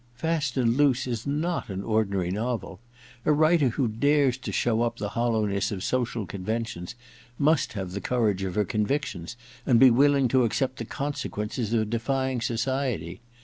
" Fast and Loose " is not an ordinary novel. A writer who dares to show up the hoUowness of social conventions must have the courage of her con victions and be willing to accept the conse quences of defying society.